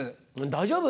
大丈夫？